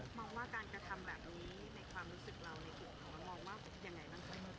มองว่าการกระทำแบบนี้ในความรู้สึกเราในกลุ่มของมันมองว่าอย่างไรมันใช่ไหม